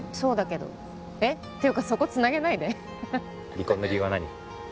離婚の理由は何？